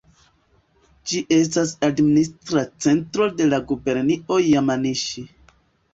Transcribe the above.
Ĝi estas administra centro de la gubernio Jamanaŝi.